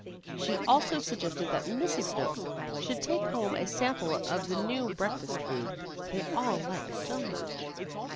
She also suggested that Mrs. Snooks should take home a sample of the new breakfast food they all liked so much.